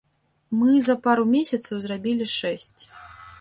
Мы за пару месяцаў зрабілі шэсць.